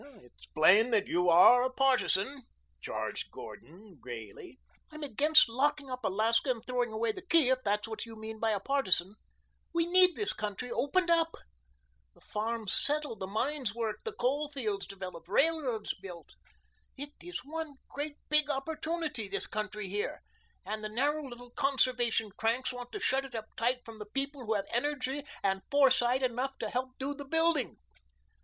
"It's plain that you are a partisan," charged Gordon gayly. "I'm against locking up Alaska and throwing away the key, if that is what you mean by a partisan. We need this country opened up the farms settled, the mines worked, the coal fields developed, railroads built. It is one great big opportunity, the country here, and the narrow little conservation cranks want to shut it up tight from the people who have energy and foresight enough to help do the building."